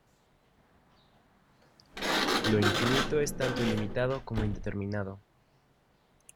Lo infinito es tanto ilimitado como indeterminado.